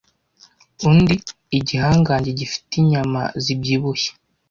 undi igihangange gifite inyama zibyibushye